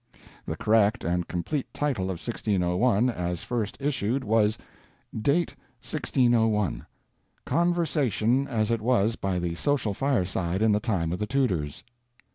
The correct and complete title of 1601, as first issued, was: [Date, 1601.] 'Conversation, as it was by the Social Fireside, in the Time of the Tudors.'